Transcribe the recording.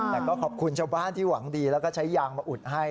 แต่ก็ขอบคุณชาวบ้านที่หวังดีแล้วก็ใช้ยางมาอุดให้